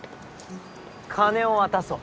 金を渡そう。